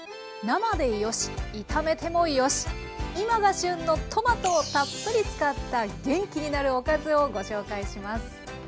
生でよし炒めてもよし今が旬のトマトをたっぷり使った元気になるおかずをご紹介します。